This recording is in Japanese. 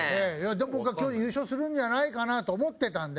僕は巨人優勝するんじゃないかなと思ってたので。